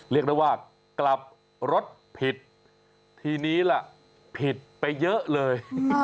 เรียกได้ว่ากลับรถผิดทีนี้ล่ะผิดไปเยอะเลย